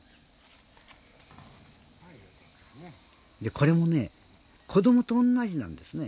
これもね子供とおんなじなんですね。